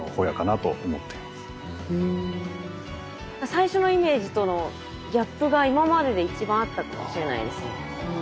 最初のイメージとのギャップが今までで一番あったかもしれないですね。